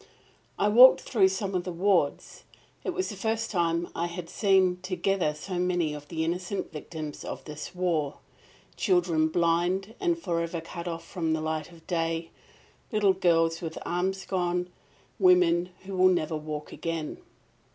I walked through some of the wards. It was the first time I had seen together so many of the innocent victims of this war children blind and forever cut off from the light of day, little girls with arms gone, women who will never walk again.